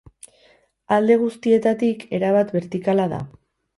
Alde guztietatik, erabat bertikala da.